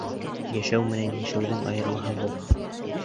— Йәшәү менән йәшәүҙең айырмаһы ҙур.